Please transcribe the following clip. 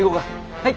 はい。